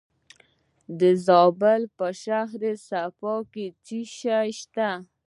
د زابل په شهر صفا کې څه شی شته؟